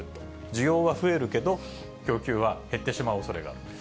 需要は増えるけど、供給は減ってしまうおそれがある。